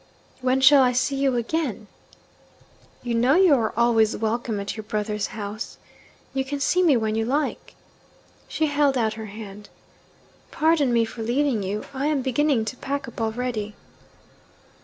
'When shall I see you again?' 'You know you are always welcome at your brother's house. You can see me when you like.' She held out her hand. 'Pardon me for leaving you I am beginning to pack up already.'